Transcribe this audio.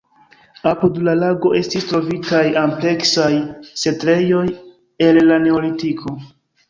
Apud la lago estis trovitaj ampleksaj setlejoj el la neolitiko.